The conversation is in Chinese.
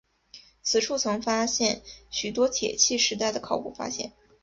此处曾发现许多铁器时代的考古发现。